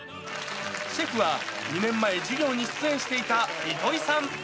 シェフは、２年前、授業に出演していた糸井さん。